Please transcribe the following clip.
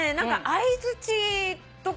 相づちとかな